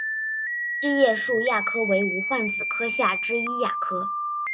七叶树亚科为无患子科下之一亚科。